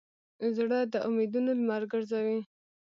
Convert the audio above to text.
زړه د امیدونو لمر ګرځوي.